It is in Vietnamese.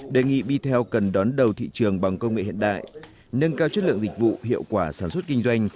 đề nghị vitel cần đón đầu thị trường bằng công nghệ hiện đại nâng cao chất lượng dịch vụ hiệu quả sản xuất kinh doanh